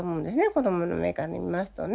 子供の目から見ますとね。